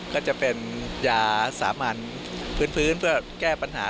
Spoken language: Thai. ก็จะเป็นยาสามัญพื้นเพื่อแก้ปัญหา